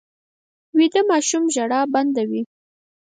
ویده ماشوم ژړا بنده وي